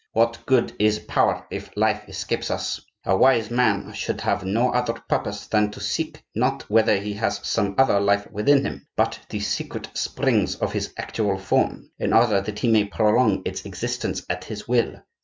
What good is power if life escapes us? A wise man should have no other purpose than to seek, not whether he has some other life within him, but the secret springs of his actual form, in order that he may prolong its existence at his will.